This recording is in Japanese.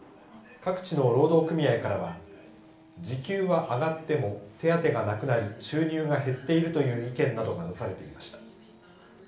各地の労働組合からは時給は上がっても手当がなくなり収入が減っているという意見などが出されていました。